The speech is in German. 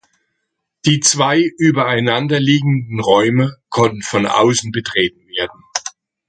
Die zwei übereinanderliegenden Räume konnten von aussen betreten werden.